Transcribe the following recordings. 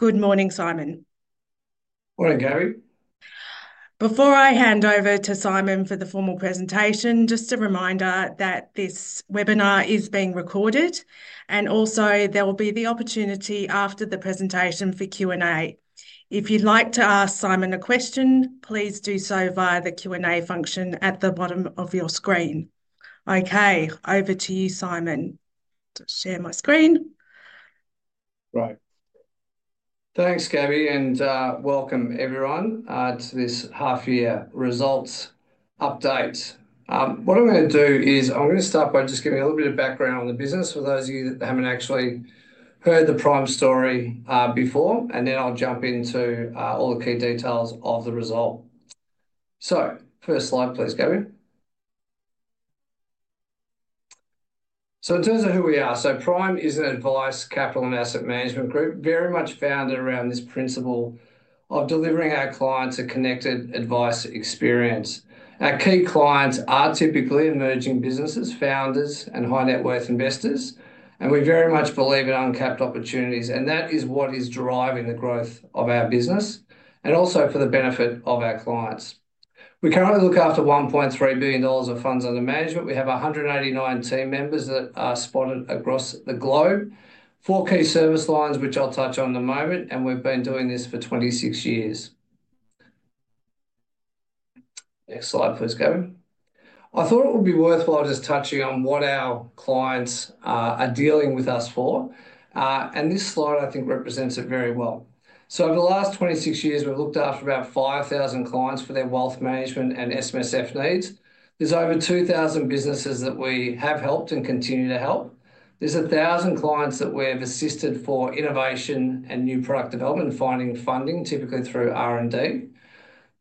Good morning, Simon. Morning, Gary. Before I hand over to Simon for the formal presentation, just a reminder that this webinar is being recorded, and also there will be the opportunity after the presentation for Q&A. If you'd like to ask Simon a question, please do so via the Q&A function at the bottom of your screen. Okay, over to you, Simon. Just share my screen. Right. Thanks, Gary, and welcome everyone to this half-year results update. What I'm going to do is I'm going to start by just giving a little bit of background on the business for those of you that haven't actually heard the Prime story before, and then I'll jump into all the key details of the result. First slide, please, Gary. In terms of who we are, Prime is an advice, capital, and asset management group very much founded around this principle of delivering our clients a connected advice experience. Our key clients are typically emerging businesses, founders, and high-net-worth investors, and we very much believe in uncapped opportunities, and that is what is driving the growth of our business and also for the benefit of our clients. We currently look after 1.3 billion dollars of funds under management. We have 189 team members that are spotted across the globe, four key service lines, which I'll touch on in a moment, and we've been doing this for 26 years. Next slide, please, Gary. I thought it would be worthwhile just touching on what our clients are dealing with us for, and this slide, I think, represents it very well. Over the last 26 years, we've looked after about 5,000 clients for their wealth management and SMSF needs. There are over 2,000 businesses that we have helped and continue to help. There are 1,000 clients that we have assisted for innovation and new product development, finding funding, typically through R&D.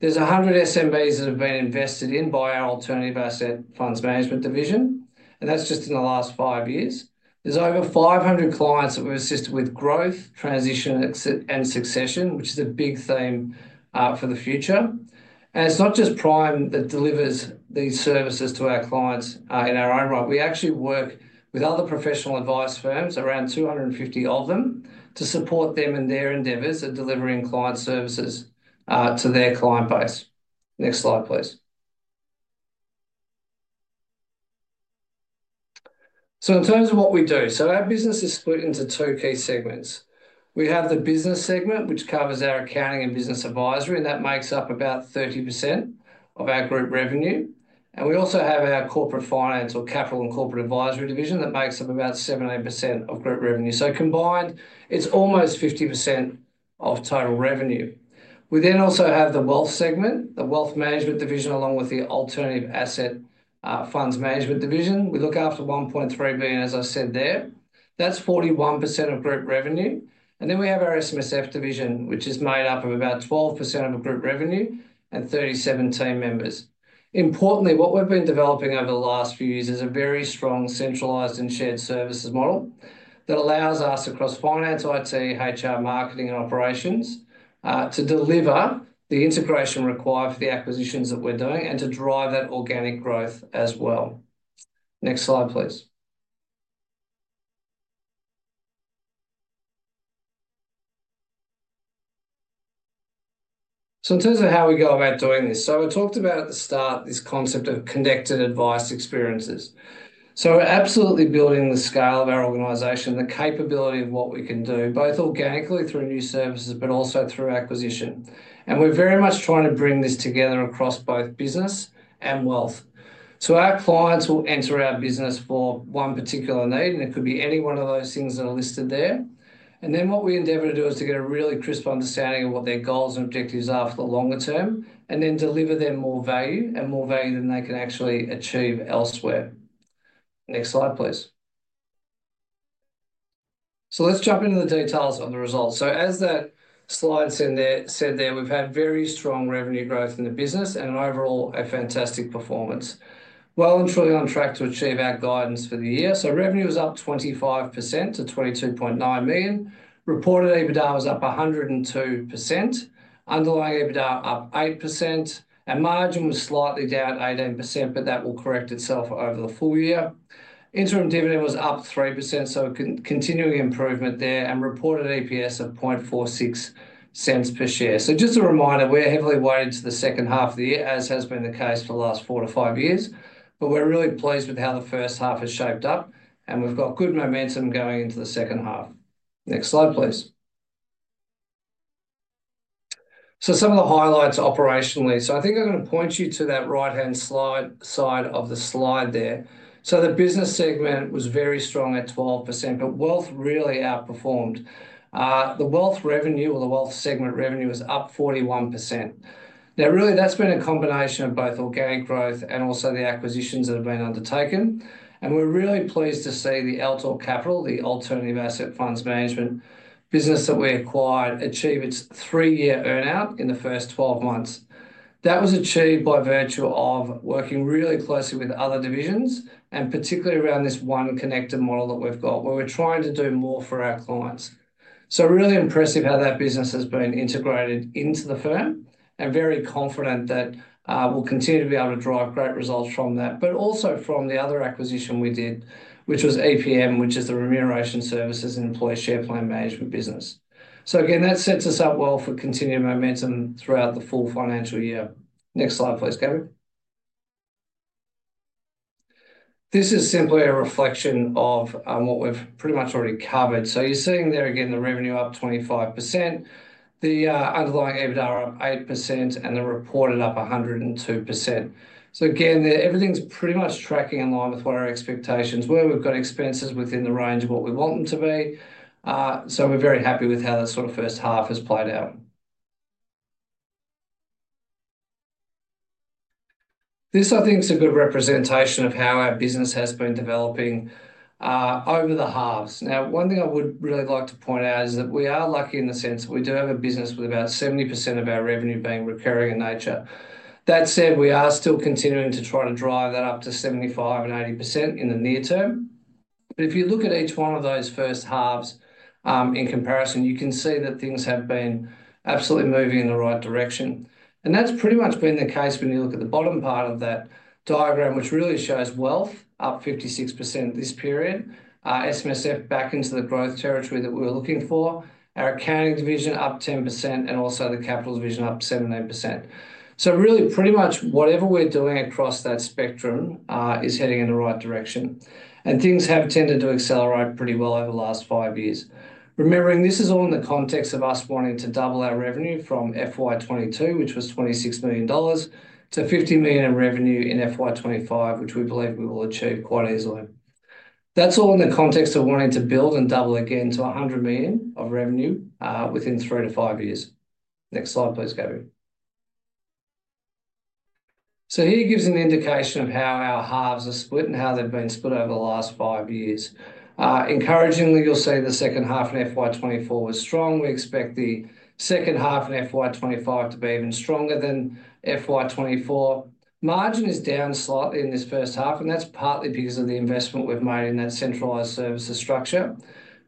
There are 100 SMBs that have been invested in by our alternative asset funds management division, and that's just in the last five years. There's over 500 clients that we've assisted with growth, transition, and succession, which is a big theme for the future. It's not just Prime that delivers these services to our clients in our own right. We actually work with other professional advice firms, around 250 of them, to support them in their endeavors of delivering client services to their client base. Next slide, please. In terms of what we do, our business is split into two key segments. We have the business segment, which covers our accounting and business advisory, and that makes up about 30% of our group revenue. We also have our corporate finance or capital and corporate advisory division that makes up about 70% of group revenue. Combined, it's almost 50% of total revenue. We then also have the wealth segment, the wealth management division, along with the alternative asset funds management division. We look after 1.3 billion, as I said there. That's 41% of group revenue. We have our SMSF division, which is made up of about 12% of group revenue and 37 team members. Importantly, what we've been developing over the last few years is a very strong centralized and shared services model that allows us across finance, IT, HR, marketing, and operations to deliver the integration required for the acquisitions that we're doing and to drive that organic growth as well. Next slide, please. In terms of how we go about doing this, we talked about at the start this concept of connected advice experiences. We're absolutely building the scale of our organization, the capability of what we can do both organically through new services, but also through acquisition. We're very much trying to bring this together across both business and wealth. Our clients will enter our business for one particular need, and it could be any one of those things that are listed there. What we endeavor to do is to get a really crisp understanding of what their goals and objectives are for the longer term, and then deliver them more value and more value than they can actually achieve elsewhere. Next slide, please. Let's jump into the details of the result. As that slide said there, we've had very strong revenue growth in the business and overall a fantastic performance. We are truly on track to achieve our guidance for the year. Revenue was up 25% to 22.9 million. Reported EBITDA was up 102%. Underlying EBITDA up 8%. Our margin was slightly down 18%, but that will correct itself over the full year. Interim dividend was up 3%, so continuing improvement there, and reported EPS of 0.0046 per share. Just a reminder, we're heavily weighted to the second half of the year, as has been the case for the last four to five years, but we're really pleased with how the first half has shaped up, and we've got good momentum going into the second half. Next slide, please. Some of the highlights operationally. I think I'm going to point you to that right-hand side of the slide there. The business segment was very strong at 12%, but wealth really outperformed. The wealth revenue or the wealth segment revenue was up 41%. Now, really, that's been a combination of both organic growth and also the acquisitions that have been undertaken. We are really pleased to see Altor Capital, the alternative asset funds management business that we acquired, achieve its three-year earnout in the first 12 months. That was achieved by virtue of working really closely with other divisions, and particularly around this one connected model that we have, where we are trying to do more for our clients. It is really impressive how that business has been integrated into the firm, and we are very confident that we will continue to be able to drive great results from that, but also from the other acquisition we did, which was EPM, which is the remuneration services and employee share plan management business. That sets us up well for continued momentum throughout the full financial year. Next slide, please, Gary. This is simply a reflection of what we have pretty much already covered. You're seeing there again the revenue up 25%, the underlying EBITDA up 8%, and the reported up 102%. Again, everything's pretty much tracking in line with what our expectations are, where we've got expenses within the range of what we want them to be. We're very happy with how that sort of first half has played out. This, I think, is a good representation of how our business has been developing over the halves. One thing I would really like to point out is that we are lucky in the sense that we do have a business with about 70% of our revenue being recurring in nature. That said, we are still continuing to try to drive that up to 75%-80% in the near term. If you look at each one of those first halves in comparison, you can see that things have been absolutely moving in the right direction. That is pretty much been the case when you look at the bottom part of that diagram, which really shows wealth up 56% this period, SMSF back into the growth territory that we were looking for, our accounting division up 10%, and also the capital division up 17%. Really, pretty much whatever we are doing across that spectrum is heading in the right direction, and things have tended to accelerate pretty well over the last five years. Remembering, this is all in the context of us wanting to double our revenue from FY 2022, which was 26 million dollars, to 50 million in revenue in FY 2025, which we believe we will achieve quite easily. That's all in the context of wanting to build and double again to 100 million of revenue within three to five years. Next slide, please, Gary. Here gives an indication of how our halves are split and how they've been split over the last five years. Encouragingly, you'll see the second half in FY 2024 was strong. We expect the second half in FY 2025 to be even stronger than FY 2024. Margin is down slightly in this first half, and that's partly because of the investment we've made in that centralised services structure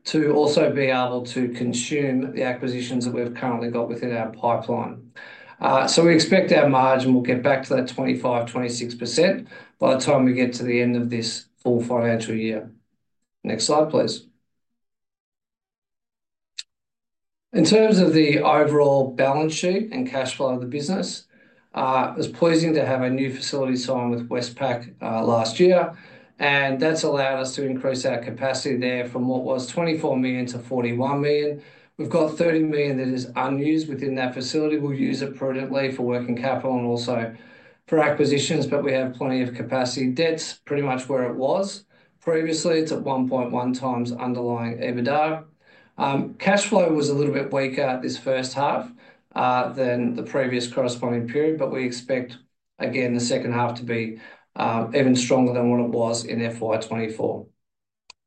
to also be able to consume the acquisitions that we've currently got within our pipeline. We expect our margin will get back to that 25%-26% by the time we get to the end of this full financial year. Next slide, please. In terms of the overall balance sheet and cash flow of the business, it was pleasing to have a new facility signed with Westpac last year, and that's allowed us to increase our capacity there from what was 24 million to 41 million. We've got 30 million that is unused within that facility. We'll use it prudently for working capital and also for acquisitions, but we have plenty of capacity. Debt's pretty much where it was previously. It's at 1.1x underlying EBITDA. Cash flow was a little bit weaker this first half than the previous corresponding period, but we expect, again, the second half to be even stronger than what it was in FY 2024.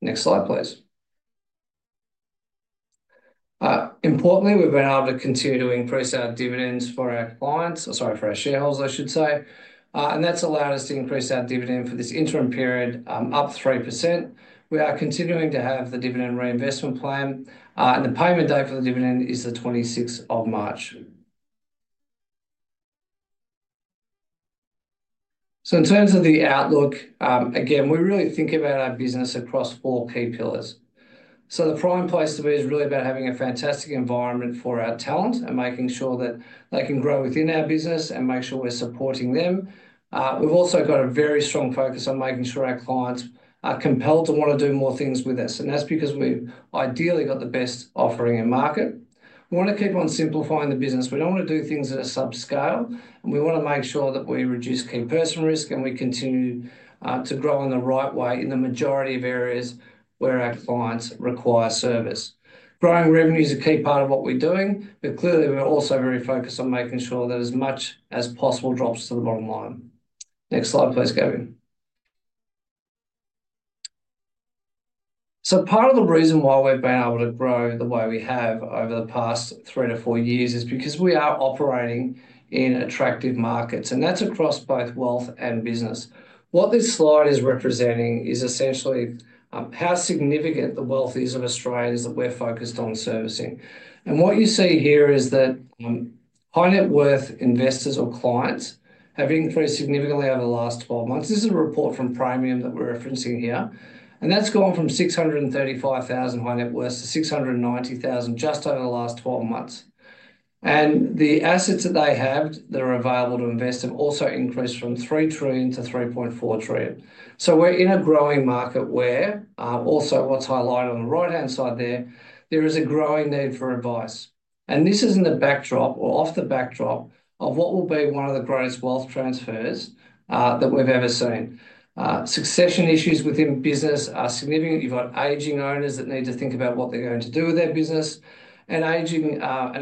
Next slide, please. Importantly, we've been able to continue to increase our dividends for our clients, or sorry, for our shareholders, I should say, and that's allowed us to increase our dividend for this interim period up 3%. We are continuing to have the dividend reinvestment plan, and the payment date for the dividend is the 26th of March. In terms of the outlook, again, we really think about our business across four key pillars. The Prime Place to Be is really about having a fantastic environment for our talent and making sure that they can grow within our business and make sure we're supporting them. We've also got a very strong focus on making sure our clients are compelled to want to do more things with us, and that's because we've ideally got the best offering in market. We want to keep on simplifying the business. We don't want to do things at a subscale, and we want to make sure that we reduce key person risk and we continue to grow in the right way in the majority of areas where our clients require service. Growing revenue is a key part of what we're doing, but clearly, we're also very focused on making sure that as much as possible drops to the bottom line. Next slide, please, Gary. Part of the reason why we've been able to grow the way we have over the past three to four years is because we are operating in attractive markets, and that's across both wealth and business. What this slide is representing is essentially how significant the wealth is of Australians that we're focused on servicing. What you see here is that high-net-worth investors or clients have increased significantly over the last 12 months. This is a report from Prime Financial Group that we're referencing here, and that's gone from 635,000 high-net worth to 690,000 just over the last 12 months. The assets that they have that are available to invest have also increased from 3 trillion to 3.4 trillion. We are in a growing market where also what's highlighted on the right-hand side there, there is a growing need for advice. This is in the backdrop or off the backdrop of what will be one of the greatest wealth transfers that we've ever seen. Succession issues within business are significant. You've got aging owners that need to think about what they're going to do with their business and an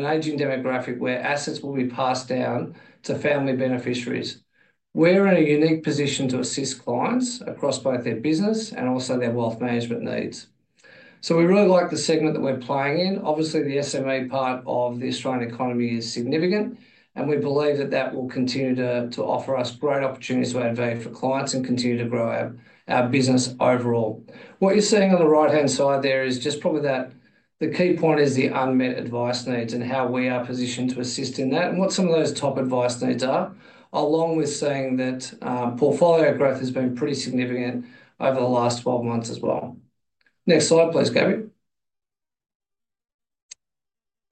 aging demographic where assets will be passed down to family beneficiaries. We are in a unique position to assist clients across both their business and also their wealth management needs. We really like the segment that we're playing in. Obviously, the SME part of the Australian economy is significant, and we believe that that will continue to offer us great opportunities to add value for clients and continue to grow our business overall. What you're seeing on the right-hand side there is just probably that the key point is the unmet advice needs and how we are positioned to assist in that and what some of those top advice needs are, along with seeing that portfolio growth has been pretty significant over the last 12 months as well. Next slide, please, Gary.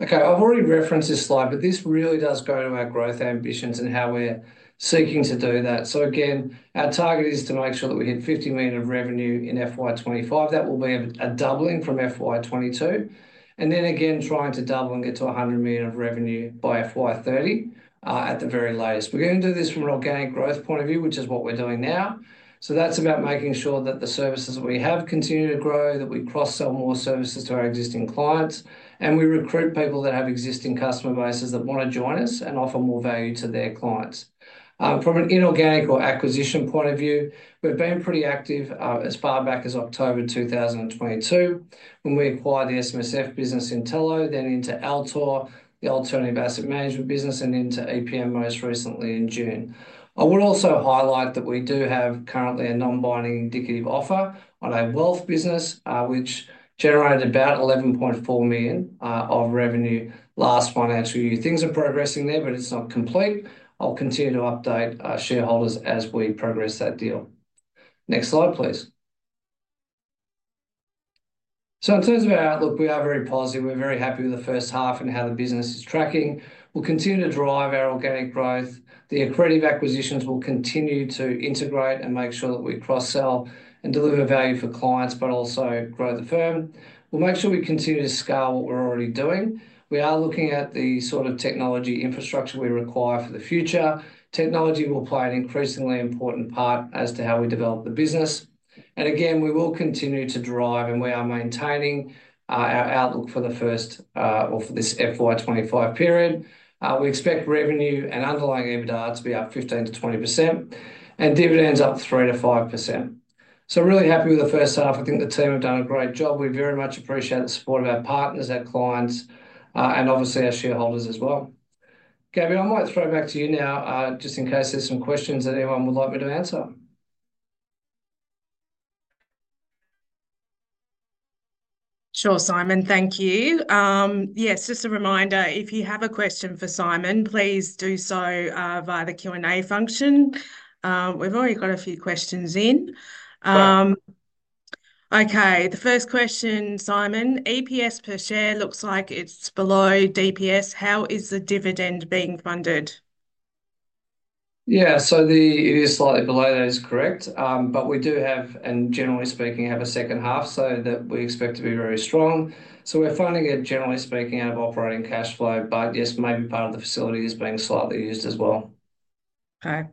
Okay, I've already referenced this slide, but this really does go to our growth ambitions and how we're seeking to do that. Again, our target is to make sure that we hit 50 million of revenue in FY 2025. That will be a doubling from FY 2022. Trying to double and get to 100 million of revenue by FY 2030 at the very latest. We are going to do this from an organic growth point of view, which is what we are doing now. That is about making sure that the services that we have continue to grow, that we cross-sell more services to our existing clients, and we recruit people that have existing customer bases that want to join us and offer more value to their clients. From an inorganic or acquisition point of view, we have been pretty active as far back as October 2022 when we acquired the SMSF business Intello, then into Altor, the alternative asset management business, and into EPM most recently in June. I would also highlight that we do have currently a non-binding indicative offer on our wealth business, which generated about 11.4 million of revenue last financial year. Things are progressing there, but it's not complete. I'll continue to update shareholders as we progress that deal. Next slide, please. In terms of our outlook, we are very positive. We're very happy with the first half and how the business is tracking. We'll continue to drive our organic growth. The accretive acquisitions will continue to integrate and make sure that we cross-sell and deliver value for clients, but also grow the firm. We'll make sure we continue to scale what we're already doing. We are looking at the sort of technology infrastructure we require for the future. Technology will play an increasingly important part as to how we develop the business. Again, we will continue to drive, and we are maintaining our outlook for the first or for this FY 2025 period. We expect revenue and underlying EBITDA to be up 15%-20% and dividends up 3%-5%. Really happy with the first half. I think the team have done a great job. We very much appreciate the support of our partners, our clients, and obviously our shareholders as well. Gary, I might throw back to you now just in case there's some questions that anyone would like me to answer. Sure, Simon, thank you. Yes, just a reminder, if you have a question for Simon, please do so via the Q&A function. We've already got a few questions in. Okay, the first question, Simon, EPS per share looks like it's below DPS. How is the dividend being funded? Yeah, it is slightly below those, correct? We do have, and generally speaking, have a second half that we expect to be very strong. We're finding it, generally speaking, out of operating cash flow, but yes, maybe part of the facility is being slightly used as well. Okay.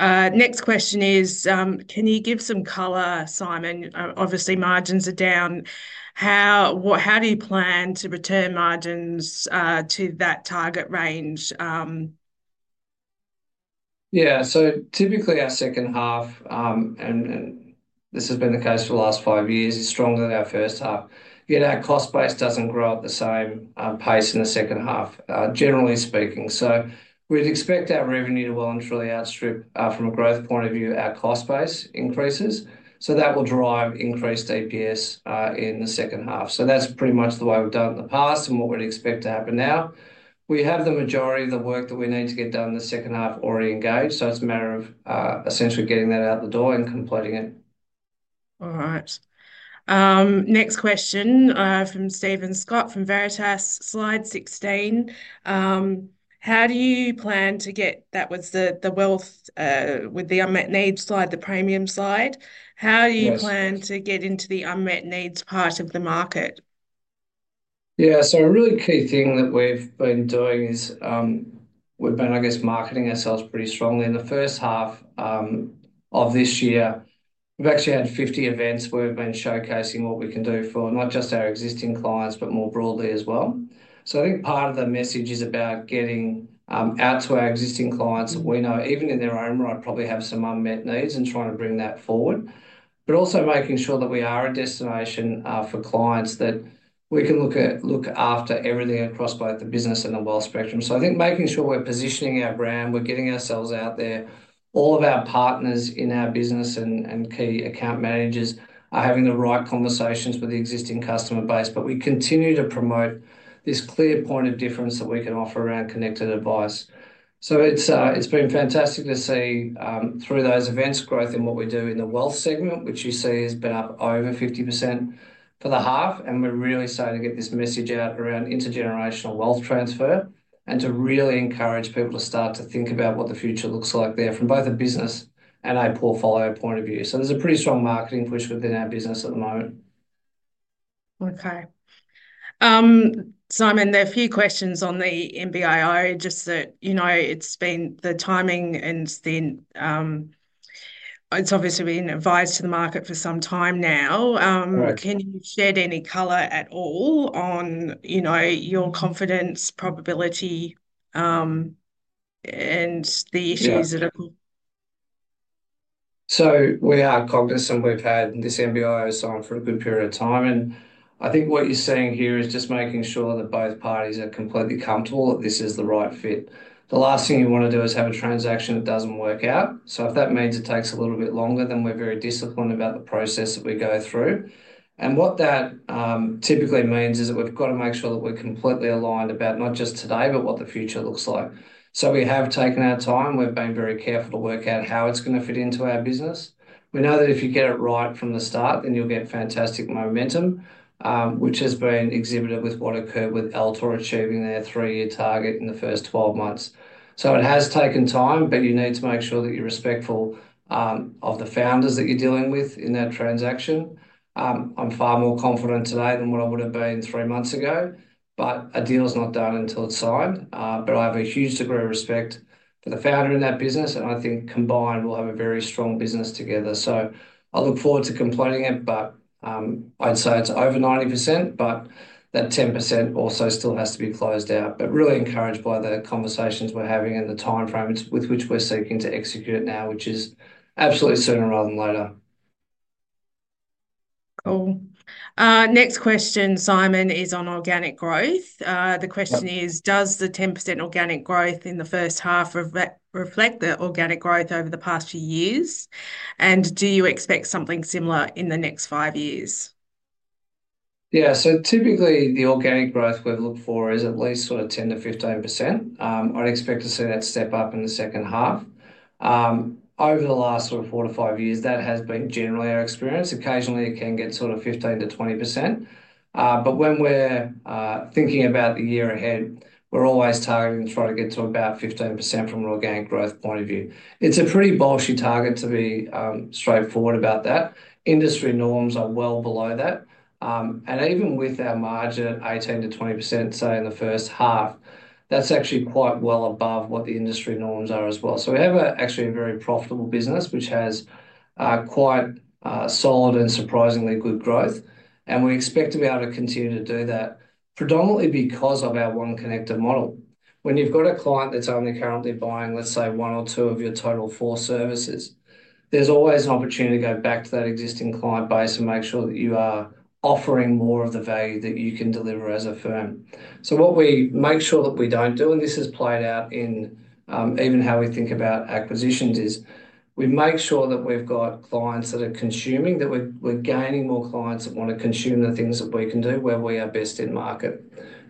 Next question is, can you give some color, Simon? Obviously, margins are down. How do you plan to return margins to that target range? Yeah, typically our second half, and this has been the case for the last five years, is stronger than our first half. Yet our cost base doesn't grow at the same pace in the second half, generally speaking. We'd expect our revenue to well and truly outstrip from a growth point of view our cost base increases. That will drive increased EPS in the second half. That's pretty much the way we've done it in the past and what we'd expect to happen now. We have the majority of the work that we need to get done in the second half already engaged, so it's a matter of essentially getting that out the door and completing it. All right. Next question from Stephen Scott from Veritas, slide 16. How do you plan to get—that was the wealth with the unmet needs slide, the premium slide? How do you plan to get into the unmet needs part of the market? Yeah, so a really key thing that we've been doing is we've been, I guess, marketing ourselves pretty strongly in the first half of this year. We've actually had 50 events where we've been showcasing what we can do for not just our existing clients, but more broadly as well. I think part of the message is about getting out to our existing clients that we know, even in their own right, probably have some unmet needs and trying to bring that forward, but also making sure that we are a destination for clients that we can look after everything across both the business and the wealth spectrum. I think making sure we're positioning our brand, we're getting ourselves out there. All of our partners in our business and key account managers are having the right conversations with the existing customer base, but we continue to promote this clear point of difference that we can offer around connected advice. It's been fantastic to see through those events growth in what we do in the wealth segment, which you see has been up over 50% for the half, and we're really starting to get this message out around intergenerational wealth transfer and to really encourage people to start to think about what the future looks like there from both a business and a portfolio point of view. There's a pretty strong marketing push within our business at the moment. Okay. Simon, there are a few questions on the NBIO just that it's been the timing and it's obviously been advised to the market for some time now. Can you shed any color at all on your confidence, probability, and the issues that are? We are cognizant we've had this NBIO signed for a good period of time, and I think what you're seeing here is just making sure that both parties are completely comfortable that this is the right fit. The last thing you want to do is have a transaction that doesn't work out. If that means it takes a little bit longer, then we're very disciplined about the process that we go through. What that typically means is that we've got to make sure that we're completely aligned about not just today, but what the future looks like. We have taken our time. We've been very careful to work out how it's going to fit into our business. We know that if you get it right from the start, then you'll get fantastic momentum, which has been exhibited with what occurred with Altor achieving their three-year target in the first 12 months. It has taken time, but you need to make sure that you're respectful of the founders that you're dealing with in that transaction. I'm far more confident today than what I would have been three months ago, a deal is not done until it's signed. I have a huge degree of respect for the founder in that business, and I think combined we'll have a very strong business together. I look forward to completing it, but I'd say it's over 90%, but that 10% also still has to be closed out, really encouraged by the conversations we're having and the timeframe with which we're seeking to execute it now, which is absolutely sooner rather than later. Cool. Next question, Simon, is on organic growth. The question is, does the 10% organic growth in the first half reflect the organic growth over the past few years? Do you expect something similar in the next five years? Yeah, typically the organic growth we've looked for is at least sort of 10%-15%. I'd expect to see that step up in the second half. Over the last sort of four to five years, that has been generally our experience. Occasionally, it can get sort of 15%-20%. When we're thinking about the year ahead, we're always targeting to try to get to about 15% from an organic growth point of view. It's a pretty bolshy target to be straightforward about that. Industry norms are well below that. Even with our margin at 18%-20%, say, in the first half, that's actually quite well above what the industry norms are as well. We have actually a very profitable business, which has quite solid and surprisingly good growth. We expect to be able to continue to do that predominantly because of our one connected model. When you've got a client that's only currently buying, let's say, one or two of your total four services, there's always an opportunity to go back to that existing client base and make sure that you are offering more of the value that you can deliver as a firm. What we make sure that we do not do, and this has played out in even how we think about acquisitions, is we make sure that we have clients that are consuming, that we are gaining more clients that want to consume the things that we can do where we are best in market.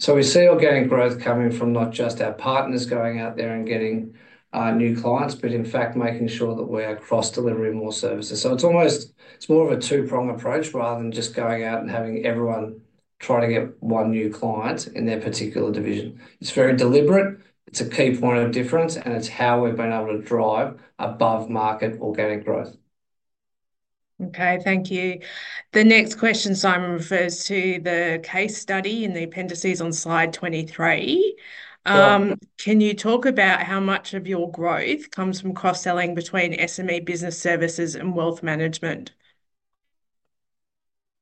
We see organic growth coming from not just our partners going out there and getting new clients, but in fact, making sure that we are cross-delivering more services. It is more of a two-prong approach rather than just going out and having everyone try to get one new client in their particular division. It is very deliberate. It is a key point of difference, and it is how we have been able to drive above-market organic growth. Okay, thank you. The next question, Simon, refers to the case study in the appendices on slide 23. Can you talk about how much of your growth comes from cross-selling between SME business services and wealth management?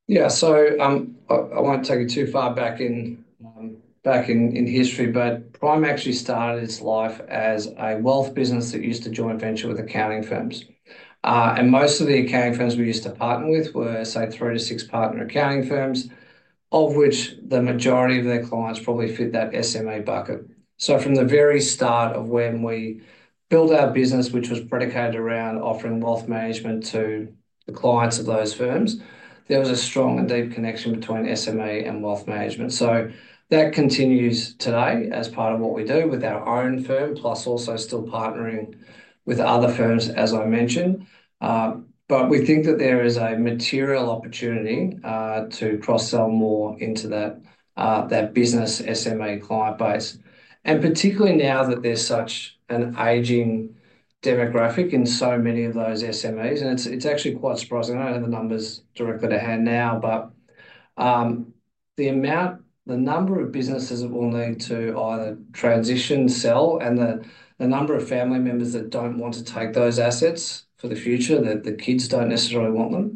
Yeah, I won't take it too far back in history, but Prime actually started its life as a wealth business that used to joint venture with accounting firms. Most of the accounting firms we used to partner with were, say, three- to six-partner accounting firms, of which the majority of their clients probably fit that SME bucket. From the very start of when we built our business, which was predicated around offering wealth management to the clients of those firms, there was a strong and deep connection between SME and wealth management. That continues today as part of what we do with our own firm, plus also still partnering with other firms, as I mentioned. We think that there is a material opportunity to cross-sell more into that business SME client base. Particularly now that there is such an aging demographic in so many of those SMEs, and it is actually quite surprising. I do not have the numbers directly at hand now, but the number of businesses that will need to either transition, sell, and the number of family members that do not want to take those assets for the future, that the kids do not necessarily want them,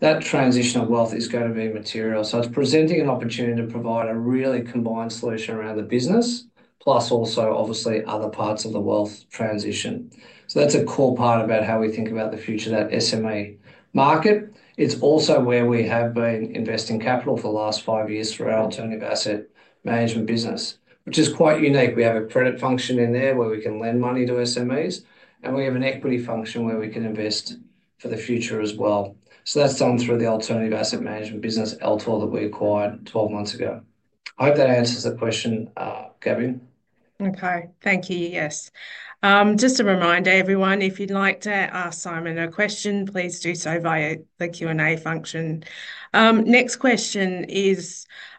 that transition of wealth is going to be material. It is presenting an opportunity to provide a really combined solution around the business, plus also obviously other parts of the wealth transition. That is a core part about how we think about the future, that SME market. It's also where we have been investing capital for the last five years for our alternative asset management business, which is quite unique. We have a credit function in there where we can lend money to SMEs, and we have an equity function where we can invest for the future as well. That is done through the alternative asset management business, Altor, that we acquired 12 months ago. I hope that answers the question, Gary. Okay, thank you. Yes. Just a reminder, everyone, if you'd like to ask Simon a question, please do so via the Q&A function. Next question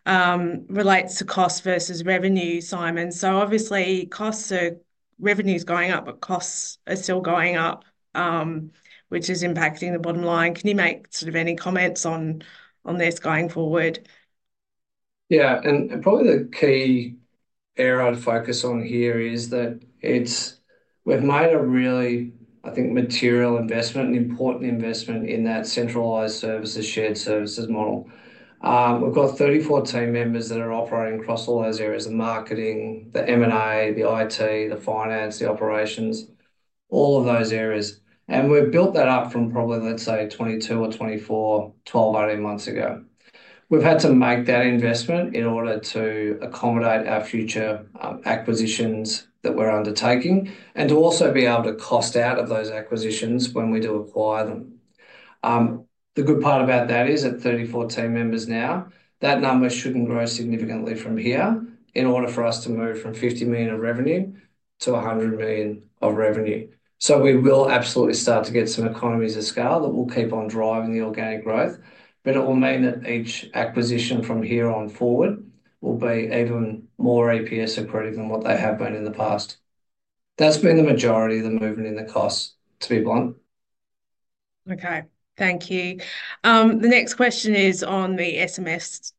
relates to cost versus revenue, Simon. Obviously, revenues are going up, but costs are still going up, which is impacting the bottom line. Can you make sort of any comments on this going forward? Yeah, and probably the key area to focus on here is that we've made a really, I think, material investment and important investment in that centralized services, shared services model. We've got 34 team members that are operating across all those areas: the marketing, the M&A, the IT, the finance, the operations, all of those areas. We've built that up from probably, let's say, 22 or 24, 12-18 months ago. We've had to make that investment in order to accommodate our future acquisitions that we're undertaking and to also be able to cost out of those acquisitions when we do acquire them. The good part about that is at 34 team members now, that number shouldn't grow significantly from here in order for us to move from 50 million of revenue to 100 million of revenue. We will absolutely start to get some economies of scale that will keep on driving the organic growth, but it will mean that each acquisition from here on forward will be even more EPS accretive than what they have been in the past. That has been the majority of the movement in the costs, to be blunt. Okay, thank you. The next question is on the SMSF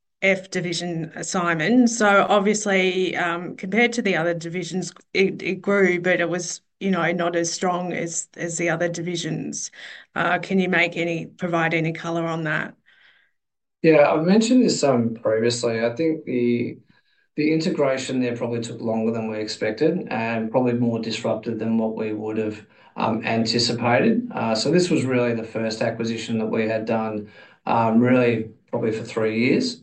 division, Simon. Obviously, compared to the other divisions, it grew, but it was not as strong as the other divisions. Can you provide any color on that? Yeah, I have mentioned this previously. I think the integration there probably took longer than we expected and probably more disruptive than what we would have anticipated. This was really the first acquisition that we had done, really probably for three years.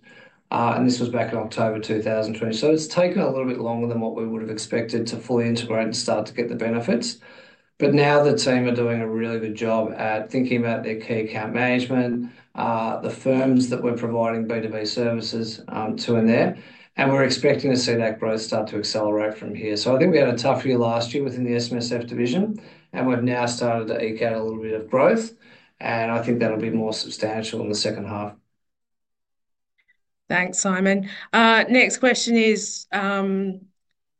This was back in October 2020. It has taken a little bit longer than what we would have expected to fully integrate and start to get the benefits. Now the team are doing a really good job at thinking about their key account management, the firms that we're providing B2B services to in there. We're expecting to see that growth start to accelerate from here. I think we had a tough year last year within the SMSF division, and we've now started to eke out a little bit of growth. I think that will be more substantial in the second half. Thanks, Simon. Next question is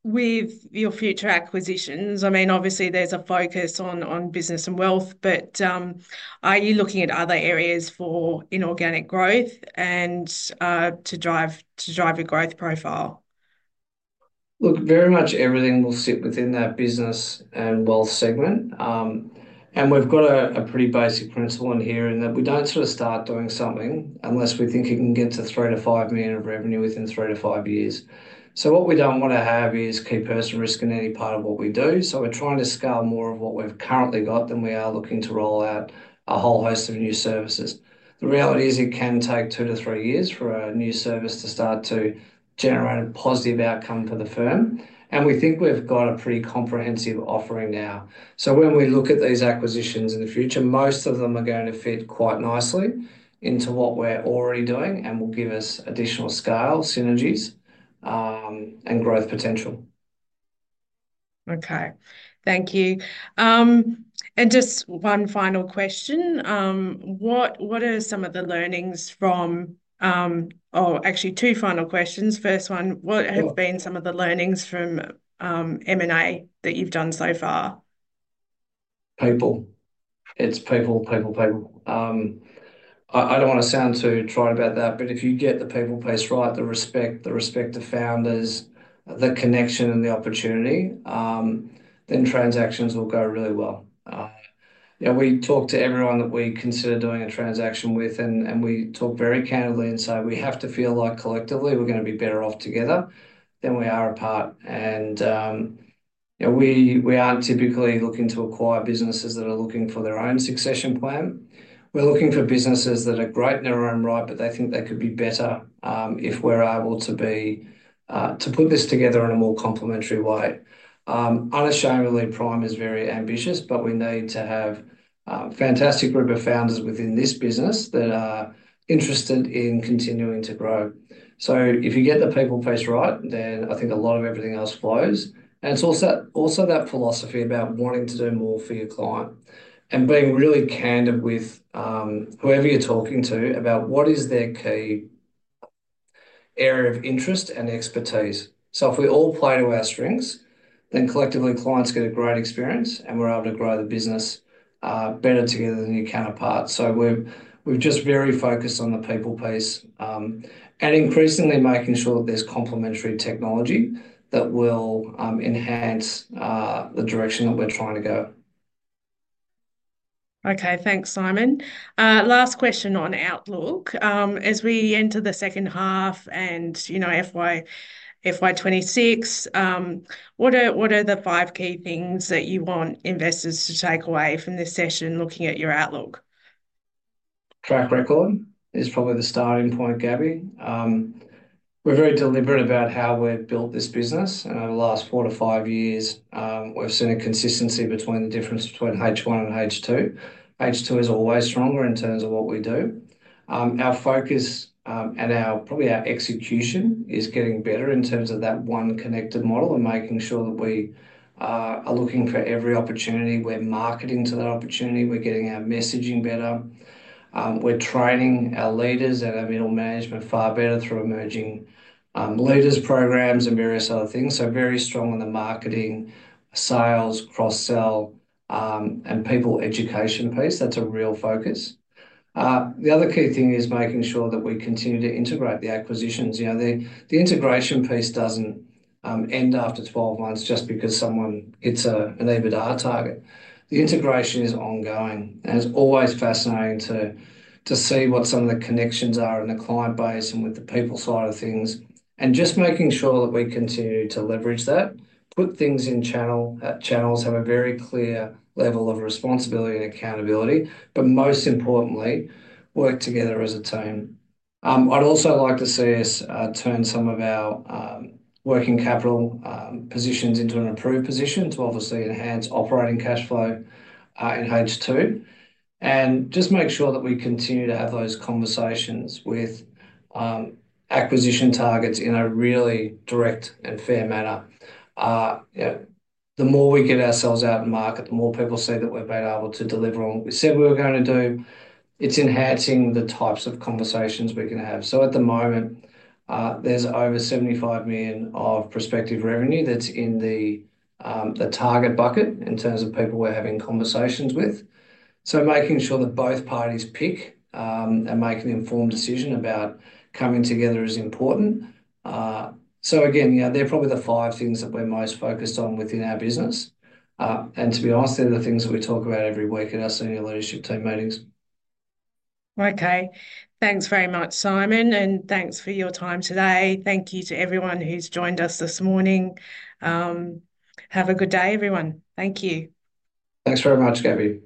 with your future acquisitions. I mean, obviously, there's a focus on business and wealth, but are you looking at other areas for inorganic growth and to drive your growth profile? Look, very much everything will sit within that business and wealth segment. We have a pretty basic principle in here in that we do not sort of start doing something unless we think it can get to 3 million-5 million of revenue within three to five years. What we do not want to have is key person risk in any part of what we do. We are trying to scale more of what we have currently got than we are looking to roll out a whole host of new services. The reality is it can take two to three years for a new service to start to generate a positive outcome for the firm. We think we have a pretty comprehensive offering now. When we look at these acquisitions in the future, most of them are going to fit quite nicely into what we are already doing and will give us additional scale, synergies, and growth potential. Okay, thank you. Just one final question. What are some of the learnings from, or actually two final questions. First one, what have been some of the learnings from M&A that you've done so far? People. It's people, people, people. I don't want to sound too trite about that, but if you get the people piece right, the respect, the respect to founders, the connection and the opportunity, then transactions will go really well. We talk to everyone that we consider doing a transaction with, and we talk very candidly and say, "We have to feel like collectively we're going to be better off together than we are apart." We aren't typically looking to acquire businesses that are looking for their own succession plan. We're looking for businesses that are great in their own right, but they think they could be better if we're able to put this together in a more complementary way. Unashamedly, Prime is very ambitious, but we need to have a fantastic group of founders within this business that are interested in continuing to grow. If you get the people piece right, then I think a lot of everything else flows. It is also that philosophy about wanting to do more for your client and being really candid with whoever you're talking to about what is their key area of interest and expertise. If we all play to our strengths, then collectively clients get a great experience and we're able to grow the business better together than your counterparts. We've just very focused on the people piece and increasingly making sure that there's complementary technology that will enhance the direction that trying to go. Okay, thanks, Simon. Last question on Outlook. As we enter the second half and FY 2026, what are the five key things that you want investors to take away from this session looking at your Outlook? Track record is probably the starting point, Gary. We're very deliberate about how we've built this business. Over the last four to five years, we've seen a consistency between the difference between H1 and H2. H2 is always stronger in terms of what we do. Our focus and probably our execution is getting better in terms of that one connected model and making sure that we are looking for every opportunity. We're marketing to that opportunity. We're getting our messaging better. are training our leaders and our middle management far better through emerging leaders programs and various other things. Very strong in the marketing, sales, cross-sell, and people education piece. That is a real focus. The other key thing is making sure that we continue to integrate the acquisitions. The integration piece does not end after 12 months just because someone hits an EBITDA target. The integration is ongoing. It is always fascinating to see what some of the connections are in the client base and with the people side of things. Just making sure that we continue to leverage that, put things in channels. Channels have a very clear level of responsibility and accountability, but most importantly, work together as a team. I would also like to see us turn some of our working capital positions into an approved position to obviously enhance operating cash flow in H2. Just make sure that we continue to have those conversations with acquisition targets in a really direct and fair manner. The more we get ourselves out in the market, the more people say that we've been able to deliver on what we said we were going to do. It's enhancing the types of conversations we can have. At the moment, there's over 75 million of prospective revenue that's in the target bucket in terms of people we're having conversations with. Making sure that both parties pick and make an informed decision about coming together is important. They're probably the five things that we're most focused on within our business. To be honest, they're the things that we talk about every week at our senior leadership team meetings. Okay, thanks very much, Simon. Thanks for your time today. Thank you to everyone who's joined us this morning. Have a good day, everyone. Thank you. Thanks very much, Gary.